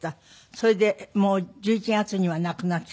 それでもう１１月には亡くなっちゃった。